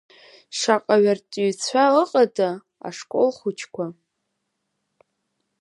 Шаҟаҩы арҵаҩцәа ыҟада, ашколхәыҷқәа?